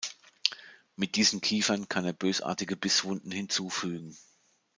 Mit diesen Kiefern kann er bösartige Bisswunden hinzufügen.